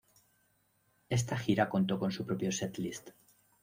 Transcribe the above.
Esta gira contó con su propio setlist.